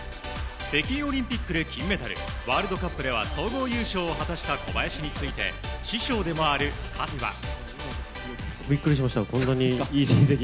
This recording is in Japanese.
北京オリンピックで金メダルワールドカップでは総合優勝を果たした小林について師匠でもある葛西は。